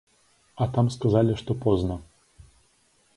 А там сказалі, што позна.